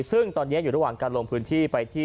ซึ่งตอนนี้อยู่ระหว่างการลงพื้นที่ไปที่